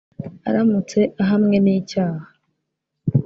Aramutse ahamwe n’icyaha